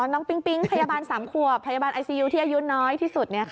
ปิ๊งปิ๊งพยาบาล๓ขวบพยาบาลไอซียูที่อายุน้อยที่สุด